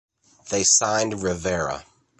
They signed Rivera.